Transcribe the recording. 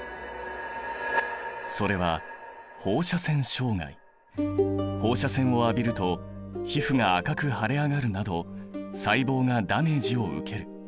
それは放射線を浴びると皮膚が赤く腫れ上がるなど細胞がダメージを受ける。